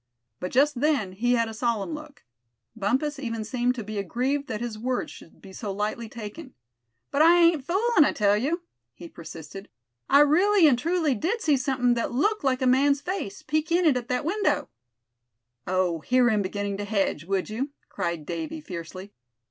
But just then he had a solemn look. Bumpus even seemed to be aggrieved that his word should be so lightly taken. "But I ain't foolin', I tell you," he persisted. "I really and truly did see somethin' that looked like a man's face, peek in at that window!" "Oh! hear him beginning to hedge, would you?" cried Davy, fiercely.